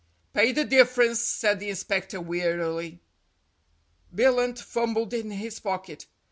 "Pay the difference," said the inspector wearily. Billunt fumbled in his pocket.